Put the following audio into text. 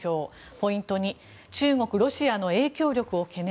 ポイント２中国・ロシアの影響力を懸念？